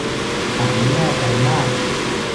ฉันแน่ใจมาก